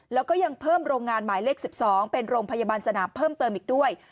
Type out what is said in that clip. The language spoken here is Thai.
แล้วก็ยังเพิ่มโรงงานหมายเลข๑๒เป็นโรงพยาบาลสนามเพิ่มเติมอีกด้วย